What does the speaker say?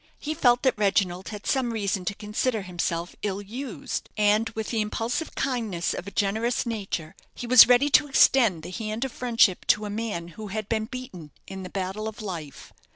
He felt that Reginald had some reason to consider himself ill used; and with the impulsive kindness of a generous nature, he was ready to extend the hand of friendship to a man who had been beaten in the battle of life.